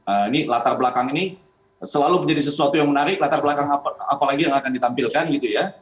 ini latar belakang ini selalu menjadi sesuatu yang menarik latar belakang apalagi yang akan ditampilkan gitu ya